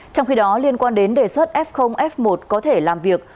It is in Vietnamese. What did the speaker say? trong khi đó liên quan đến đề xuất f f một có thể làm việc